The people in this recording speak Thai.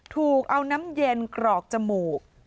ถูกเอาน้ำเย็นกรอกจมูก